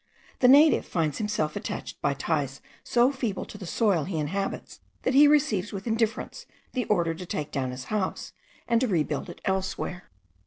The native finds himself attached by ties so feeble to the soil he inhabits, that he receives with indifference the order to take down his house and to rebuild it elsewhere.